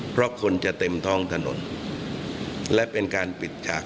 เพราะคนจะเต็มท้องถนนและเป็นการปิดฉาก